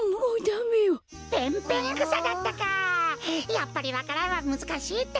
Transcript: やっぱりわか蘭はむずかしいってか。